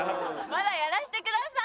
まだやらせてください！